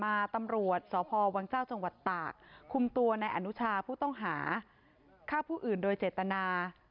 มาตำรวจส่อพวจังหวัตตะคุมตัวในอนุชาผู้ต้องหาข้าพูดอื่นโดยเจตนา